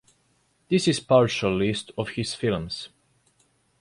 This is partial list of his films.